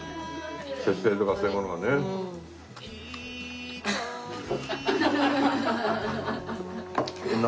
節制とかそういうものがね。何？